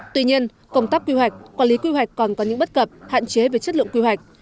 tuy nhiên công tác quy hoạch quản lý quy hoạch còn có những bất cập hạn chế về chất lượng quy hoạch